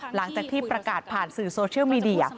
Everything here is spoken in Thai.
หลังจากที่ประกาศผ่านสื่อโซเชียลมีเดีย